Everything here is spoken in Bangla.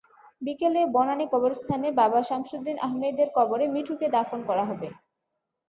বিকেলে বনানী কবরস্থানে বাবা শামসুদ্দিন আহমেদের কবরে মিঠুকে দাফন করা হবে।